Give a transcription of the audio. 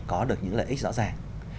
có được những lợi ích rõ ràng